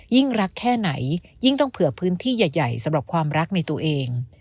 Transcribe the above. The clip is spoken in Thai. ยิ่งรักแค่ไหนยิ่งต้องเผื่อพื้นที่ใหญ่สำหรับความรักในตัวเอง